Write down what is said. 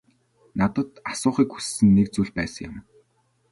Надад асуухыг хүссэн нэг зүйл байсан юм.